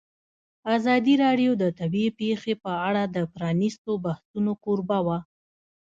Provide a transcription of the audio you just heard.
ازادي راډیو د طبیعي پېښې په اړه د پرانیستو بحثونو کوربه وه.